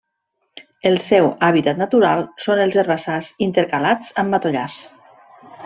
El seu hàbitat natural són els herbassars intercalats amb matollars.